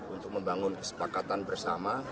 untuk membangun kesepakatan bersama